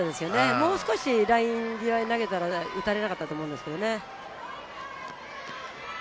もう少しライン際に投げたら打たれなかったと思うんですけどね。